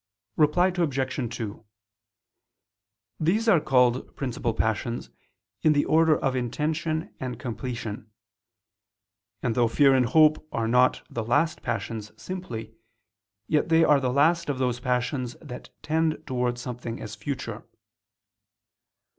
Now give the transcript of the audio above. Reply Obj. 2: These are called principal passions, in the order of intention and completion. And though fear and hope are not the last passions simply, yet they are the last of those passions that tend towards something as future.